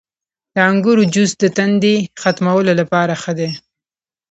• د انګورو جوس د تندې ختمولو لپاره ښه دی.